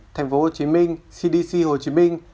tp hcm cdc hồ chí minh